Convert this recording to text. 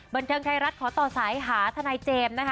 บริเวณเรื่องใครรัฐขอตอบสายหาธนายเจมส์